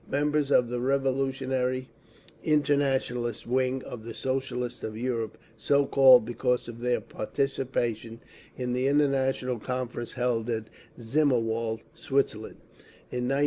Members of the revoloutionary internationalist wing of the Socialists of Europe, so called because of their participation in the International Conference held at Zimmerwald, Switzerland, in 1915.